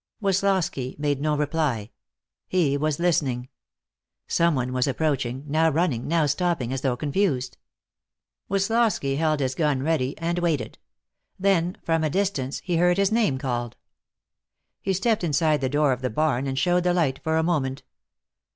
Woslosky made no reply. He was listening. Some one was approaching, now running, now stopping as though confused. Woslosky held his gun ready, and waited. Then, from a distance, he heard his name called. He stepped inside the door of the barn and showed the light for a moment.